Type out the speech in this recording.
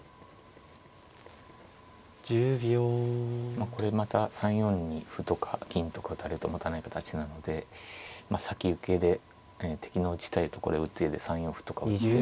まあこれまた３四に歩とか銀とか打たれるともたない形なのでまあ先受けで敵の打ちたいところへ打てで３四歩とか打って。